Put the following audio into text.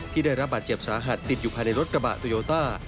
ได้รับบาดเจ็บสาหัสติดอยู่ภายในรถกระบะโตโยต้า